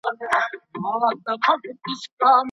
د خوب کمښت څه ستونزي راوړي؟